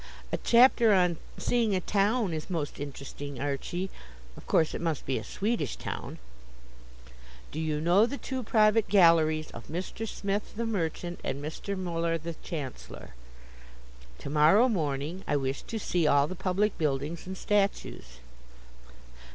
"A chapter on 'seeing a town' is most interesting, Archie. Of course, it must be a Swedish town. 'Do you know the two private galleries of Mr. Smith, the merchant, and Mr. Muller, the chancellor?' 'To morrow morning I wish to see all the public buildings and statues.'